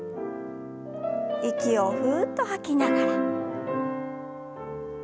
息をふっと吐きながら。